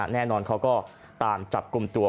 แน่นอนเขาก็ตามจับกลุ่มตัว